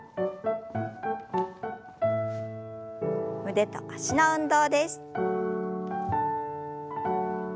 腕と脚の運動です。